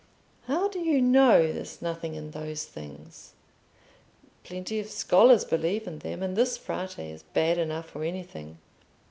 "How do you know there's nothing in those things? Plenty of scholars believe in them, and this Frate is bad enough for anything."